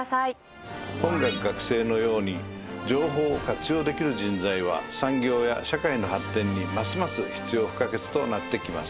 本学学生のように情報を活用できる人材は産業や社会の発展にますます必要不可欠となってきます。